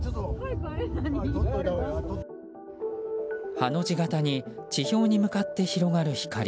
ハの字型に地表に向かって広がる光。